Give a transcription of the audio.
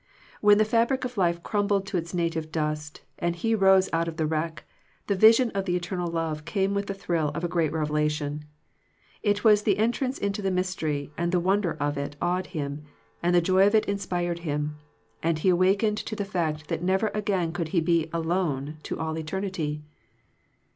When the fabric of life crumbled to its native dust, and he rose out of its wreck, the vision of the eternal love came with the thrill of a great revelation. It was the entrance into the mystery, and the wonder of it awed him, and the joy of it inspired him, and he awakened to the fact that never again could he be alone to all eternity.